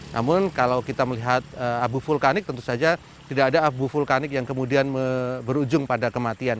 namun kalau kita melihat abu vulkanik tentu saja tidak ada abu vulkanik yang kemudian berujung pada kematian